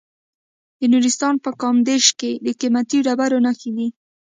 د نورستان په کامدیش کې د قیمتي ډبرو نښې دي.